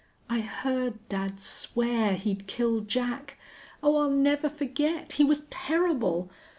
"I heard dad swear he'd kill Jack. Oh, I'll never forget! He was terrible!